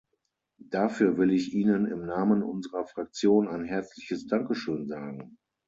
Dafür will ich ihnen im Namen unserer Fraktion ein herzliches Dankeschön sagen.